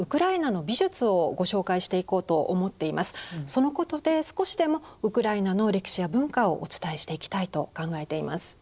そのことで少しでもウクライナの歴史や文化をお伝えしていきたいと考えています。